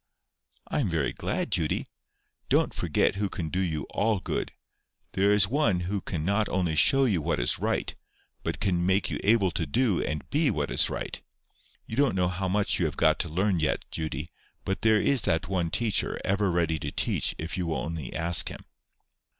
"I am very glad, Judy. Don't forget who can do you ALL good. There is One who can not only show you what is right, but can make you able to do and be what is right. You don't know how much you have got to learn yet, Judy; but there is that one Teacher ever ready to teach if you will only ask Him."